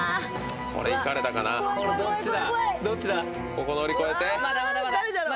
ここ乗り越えて！